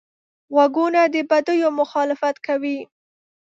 غوږونه د بدیو مخالفت کوي